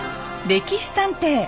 「歴史探偵」。